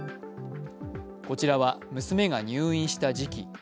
こちらは娘が入院した時期。